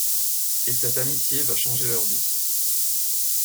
Et cette amitié va changer leurs vies...